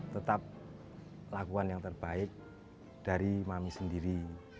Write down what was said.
tetap lakukan yang terbaik dari mami sendiri